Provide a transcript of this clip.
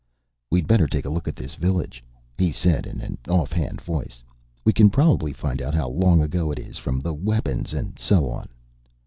"We'd better take a look at this village," he said in an off hand voice. "We can probably find out how long ago it is from the weapons and so on."